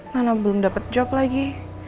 malah belum dapat job lagi